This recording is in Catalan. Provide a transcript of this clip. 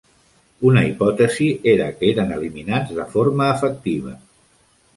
Una hipòtesi era que eren eliminats de forma efectiva.